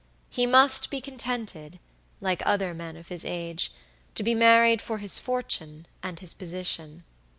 He must be contented, like other men of his age, to be married for his fortune and his position.